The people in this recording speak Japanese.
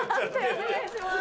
判定お願いします。